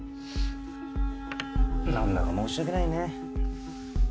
何だか申し訳ないね。